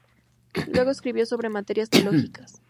Luego escribió sobre materias teológicas.